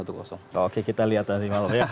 oke kita lihat nanti malam ya